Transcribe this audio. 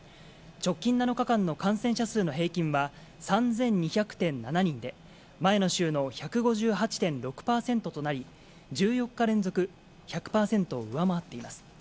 直近７日間の感染者数の平均は３２００．７人で、前の週の１５８．６％となり、１４日連続１００％を上回っています。